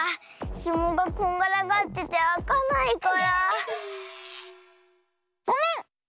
ひもがこんがらがっててあかないからごめん！